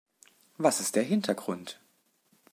Was ist der Hintergrund?